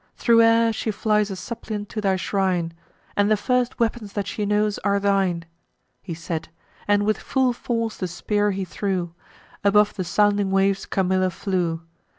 Thro' air she flies a suppliant to thy shrine; And the first weapons that she knows, are thine.' He said; and with full force the spear he threw: Above the sounding waves Camilla flew.